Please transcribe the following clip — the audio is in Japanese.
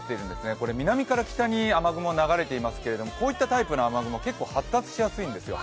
これ南から北に雨雲が流れていますけれどもこういったタイプの雨雲結構発達しやすいんですよ。